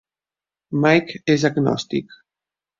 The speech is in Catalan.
Mike és agnòstic.